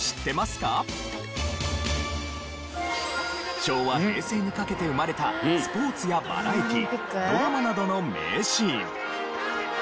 昭和・平成にかけて生まれたスポーツやバラエティードラマなどの名シーン。